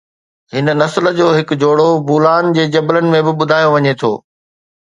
هن نسل جو هڪ جوڙو بولان جي جبلن ۾ به ٻڌايو وڃي ٿو